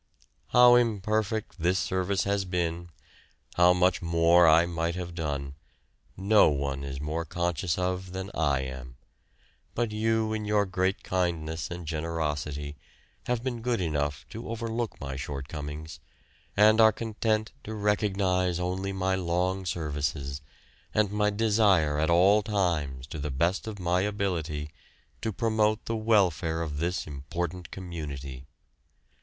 How imperfect this service has been, how much more I might have done, no one is more conscious of than I am; but you in your great kindness and generosity have been good enough to overlook my shortcomings, and are content to recognise only my long services and my desire at all times to the best of my ability to promote the welfare of this important community.